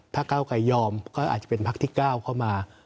ถ้าก้าวไกลยอมก็อาจจะเป็นพักที่๙เข้ามา